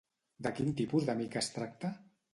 De quin tipus d'amic es tracta?